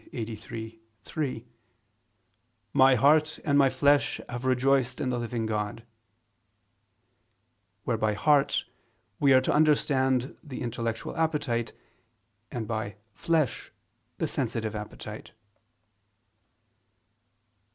83:3: "My heart and my flesh have rejoiced in the living God": where by "heart" we are to understand the intellectual appetite, and by "flesh" the sensitive appetite.